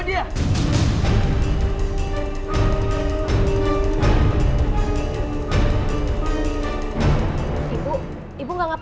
aku gak akan tinggalin kamu